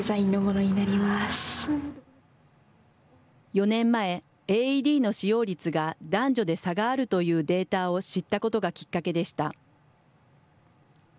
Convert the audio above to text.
４年前、ＡＥＤの使用率が男女で差があるというデータを知ったことがきっかけでした。